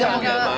agak kencang pak